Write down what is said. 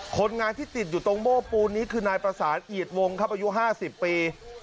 คนงานที่ติดอยู่ตรงโม้ปูนนี้คือนายประสานเอียดวงครับอายุ๕๐ปี